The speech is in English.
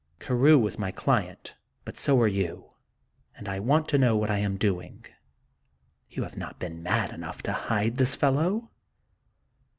" Carew was my client, but so are you, and I want to know what I am doing. You have not been mad enough to hide this fellow?"